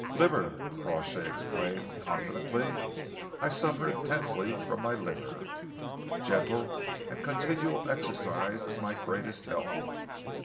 "Liver," Crawshay explained confidentially. "I suffer intensely from my liver. Gentle and continual exercise is my greatest help."